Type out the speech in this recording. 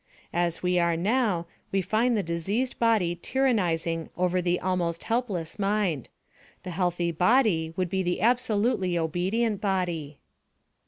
As we are now, we find the diseased body tyrannizing over the almost helpless mind: the healthy body would be the absolutely obedient body.